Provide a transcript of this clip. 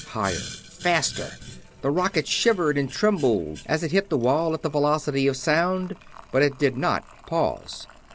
Higher! Faster! The rocket shivered and trembled as it hit the wall at the velocity of sound, but it did not pause.